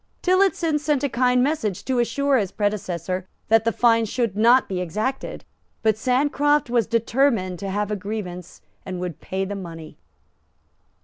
Tillotson sent a kind message to assure his predecessor that the fine should not be exacted. But Sancroft was determined to have a grievance, and would pay the money.